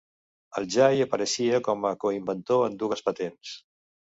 El Jay apareixia com a coinventor en dues patents.